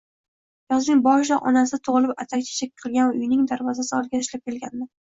Yozning boshida onasi tug`ilib atak-chechak qilgan uyining darvozasi oldiga tashlab kelgandi